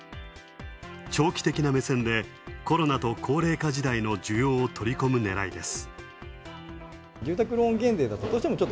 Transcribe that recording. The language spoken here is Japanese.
長期的な目線でコロナと高齢化時代の需要を取り込む狙いです。